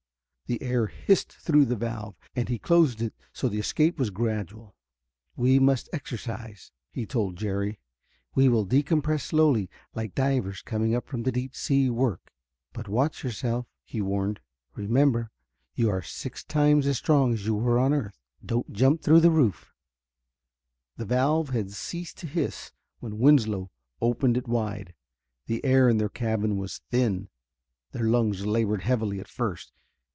The air hissed through the valve, and he closed it so the escape was gradual. "We must exercise," he told Jerry. "We will decompress slowly, like divers coming up from deep sea work. But watch yourself," he warned. "Remember you are six times as strong as you were on the earth. Don't jump through the roof." THE valve had ceased to hiss when Winslow opened it wide. The air in their cabin was thin; their lungs labored heavily at first.